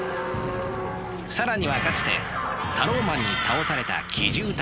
更にはかつてタローマンに倒された奇獣たちも。